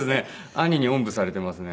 兄におんぶされていますね。